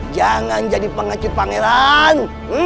jangan jadi pengecut pangeran